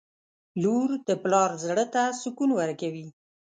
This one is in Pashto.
• لور د پلار زړه ته سکون ورکوي.